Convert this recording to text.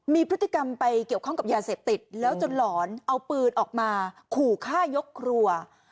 มีพฤติกรรมไปเกี่ยวข้องกับยาเสพติดแล้วจนหลอนเอาปืนออกมาขู่ฆ่ายกครัว